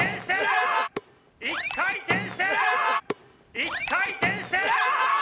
一回転して。